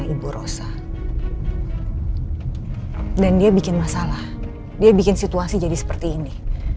ibu rosa dan dia bikin masalah dia bikin situasi jadi seperti ini